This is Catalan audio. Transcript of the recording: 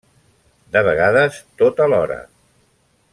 De vegades, tot alhora.